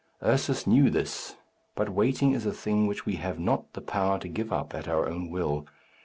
Ursus knew this. But waiting is a thing which we have not the power to give up at our own will.